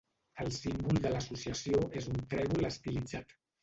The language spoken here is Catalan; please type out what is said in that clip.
El símbol de l'associació és un trèvol estilitzat.